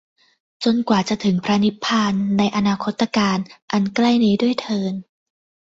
จนกว่าจะถึงพระนิพพาน ในอนาคตกาล อันใกล้นี้ด้วยเทอญ